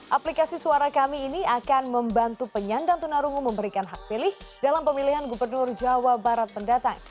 aplikasi suara kami ini akan membantu penyandang tunarungu memberikan hak pilih dalam pemilihan gubernur jawa barat pendatang